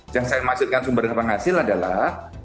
yang saya maksudkan sumber penghasil adalah